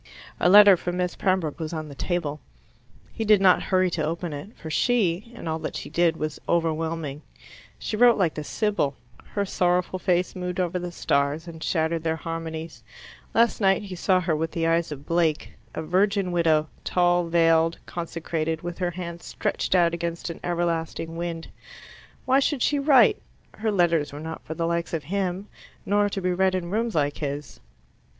A letter from Miss Pembroke was on the table. He did not hurry to open it, for she, and all that she did, was overwhelming. She wrote like the Sibyl; her sorrowful face moved over the stars and shattered their harmonies; last night he saw her with the eyes of Blake, a virgin widow, tall, veiled, consecrated, with her hands stretched out against an everlasting wind. Why should she write? Her letters were not for the likes of him, nor to be read in rooms like his.